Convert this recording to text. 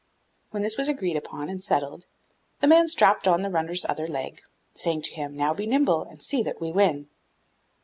When this was agreed upon and settled, the man strapped on the runner's other leg, saying to him, 'Now be nimble, and see that we win!